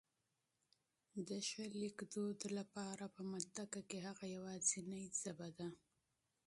د ښه لیکدود لپاره په منطقه کي هغه يواځنۍ ژبه ده